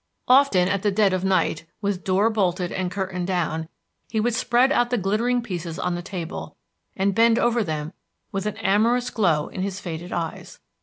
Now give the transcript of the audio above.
Often, at the dead of night, with door bolted and curtain down, he would spread out the glittering pieces on the table, and bend over them with an amorous glow in his faded eyes.